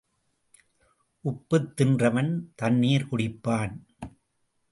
உப்புத் தின்றவன் தண்ணீர் குடிப்பான்.